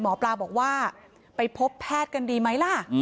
หมอปลาบอกว่าไปพบแพทย์กันดีไหมล่ะ